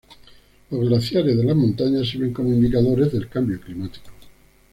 Los glaciares de las montañas sirven como indicadores del cambio climático.